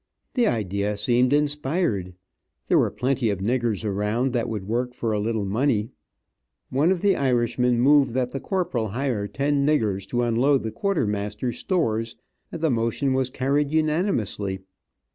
The idea seemed inspired. There were plenty of niggers around that would work for a little money. One of the Irishmen moved that the Corporal hire ten niggers to unload the quartermasters stores, and the motion was carried unanimously.